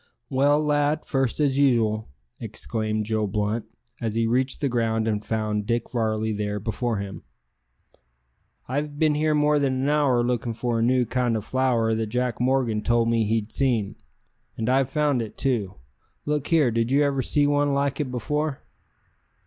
"Well, lad, first as usual," exclaimed Joe Blunt, as he reached the ground and found Dick Varley there before him. "I've bin here more than an hour lookin' for a new kind o' flower that Jack Morgan told me he'd seen. And I've found it too. Look here; did you ever see one like it before?"